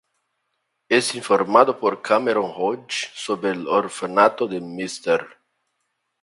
Es informado por Cameron Hodge sobre el orfanato de Mr.